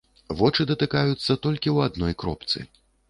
Вочы датыкаюцца толькі ў адной кропцы.